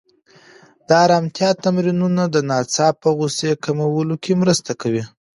د ارامتیا تمرینونه د ناڅاپه غوسې کمولو کې مرسته کوي.